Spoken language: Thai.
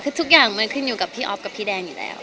คือทุกอย่างมันขึ้นอยู่กับพี่อ๊อฟกับพี่แดงอยู่แล้ว